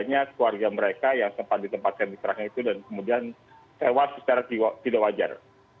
adanya keluarga mereka yang sempat di tempat yang dikerahkan itu dan kemudian tewas secara tidak wajar